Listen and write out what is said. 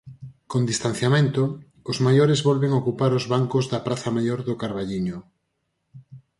Con distanciamento, os maiores volven ocupar os bancos da praza Maior do Carballiño.